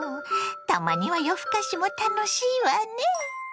たまには夜ふかしも楽しいわね！